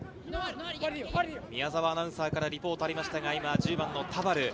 宮澤アナウンサーからリポートがありましたが、１０番の田原。